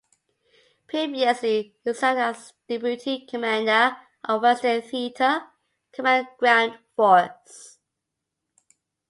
Previously he served as deputy commander of Western Theater Command Ground Force.